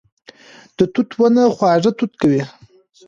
د توت ونه خواږه توت کوي